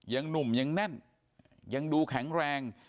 ยังหนุ่มยังแน่นยังดูแข็งแรง